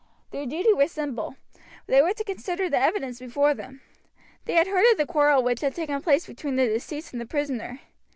Their duty was simple, they were to consider the evidence before them. They had heard of the quarrel which had taken place between the deceased and the prisoner.